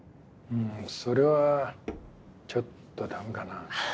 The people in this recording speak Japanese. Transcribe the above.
それはちょっとダメかな。